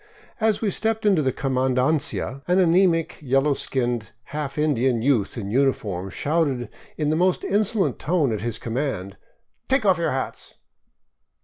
As we stepped into the comandancia, an anemic, yellow skinned half Indian youth in uniform shouted in the most insolent tone at his command, " Take off your hats